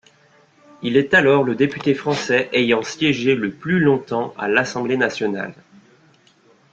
Il est alors le député français ayant siégé le plus longtemps à l'Assemblée nationale.